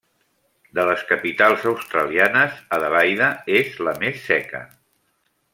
De les capitals australianes, Adelaida és la més seca.